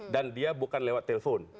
dan dia bukan lewat telepon